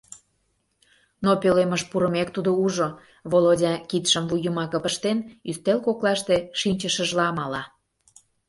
Но пӧлемыш пурымек, тудо ужо: Володя, кидшым вуй йымаке пыштен, ӱстел коклаште шинчышыжла мала.